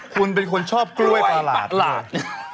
คุณเป็นคนชอบกล้วยประหลาด